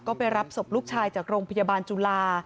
ก็ไปรับศพลูกชายจากโรงพยาบาลจุฬา